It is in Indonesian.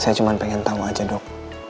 saya cuma pengen tahu aja dok